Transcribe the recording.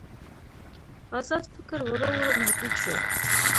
ازاد فکر ورو ورو محدود شو.